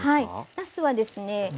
なすはですね